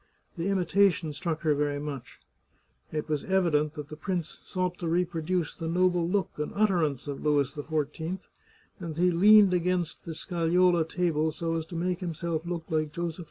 The imitation struck her very much. It was evident that the prince sought to reproduce the noble look and utterance of Louis XIV, and that he leaned against the scagliola table so as to make himself look like Joseph II.